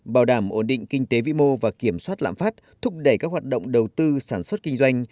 bảo đảm ổn định kinh tế vĩ mô và kiểm soát lãm phát thúc đẩy các hoạt động đầu tư sản xuất kinh doanh